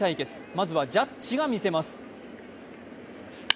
まずはジャッジが見せます。